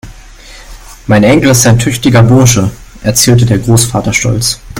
Mein Enkel ist ein tüchtiger Bursche, erzählte der Großvater stolz.